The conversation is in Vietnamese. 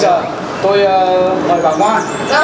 bây giờ tôi mời bà ngoan